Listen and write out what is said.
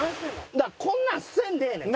だからこんなんせんでええねん。